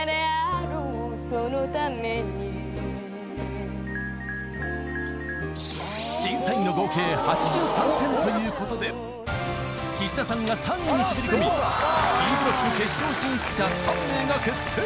「そのために」審査員の合計８３点という事で岸田さんが３位に滑り込みＢブロック決勝進出者３名が決定！